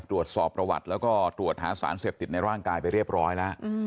ตรวจสอบประวัติแล้วก็ตรวจหาสารเสพติดในร่างกายไปเรียบร้อยแล้ว